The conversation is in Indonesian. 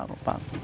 asli enggak cukup